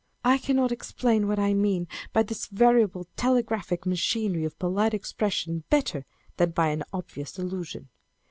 I cannot explain what I mean by this variable telegraphic machinery of polite expression better than by an obvious allusion.